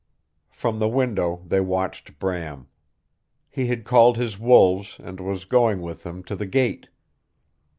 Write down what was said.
From the window they watched Bram. He had called his wolves and was going with them to the gate.